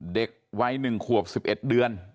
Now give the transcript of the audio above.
เด็กวัย๑ขวบ๑๑เดือน